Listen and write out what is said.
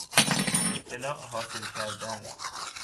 اطلاع حاصل کردن